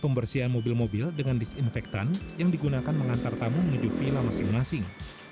pembersihan mobil mobil dengan disinfektan yang digunakan mengantar tamu menuju villa masing masing